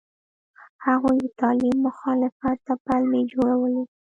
هغوی د تعلیم مخالفت ته پلمې جوړولې.